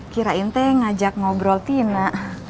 kirain teh ngajak ngobrol tina